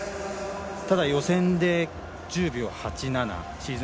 ただ、予選で１０秒８７シーズン